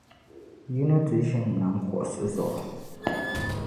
yi ni ti ʒini nam kuɣisi zuɣu.